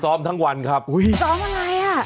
ซ้อมทั้งวันครับอุ้ยซ้อมอะไรอ่ะ